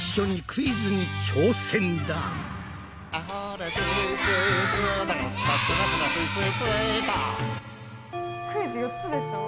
クイズ４つでしょ？